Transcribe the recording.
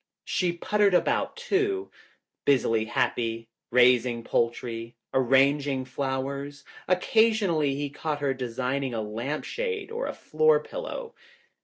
She puttered about, too, busily happy, raising poultry, arranging flowers. Occasion ally he caught her designing a lamp shade or a floor pillow.